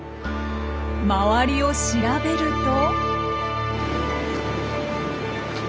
周りを調べると。